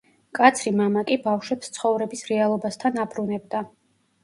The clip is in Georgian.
მკაცრი მამა კი ბავშვებს ცხოვრების რეალობასთან აბრუნებდა.